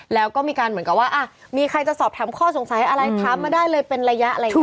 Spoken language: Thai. แล้วก็มีการเหมือนกับว่ามีใครจะสอบถามข้อสงสัยอะไรถามมาได้เลยเป็นระยะอะไรอย่างนี้